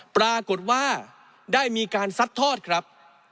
ปรากฏว่าได้มีการซัดทอดครับ